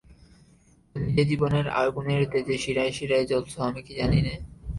তুমি যে জীবনের আগুনের তেজে শিরায় শিরায় জ্বলছ আমি কি জানি নে?